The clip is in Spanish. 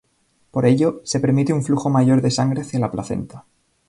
Por ello, se permite un flujo mayor de sangre hacia la placenta.